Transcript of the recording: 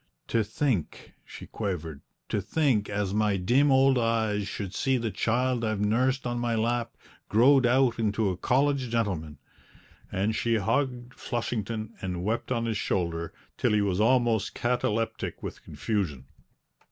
"To think," she quavered, "to think as my dim old eyes should see the child I've nursed on my lap growed out into a college gentleman!" And she hugged Flushington and wept on his shoulder till he was almost cataleptic with confusion.